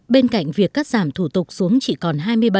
bên cạnh việc cắt giảm thủ tục xuống chỉ còn hai mươi bảy